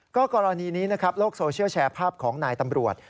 กรณีนี้นะครับโลกโซเชียลแชร์ภาพของนายตำรวจ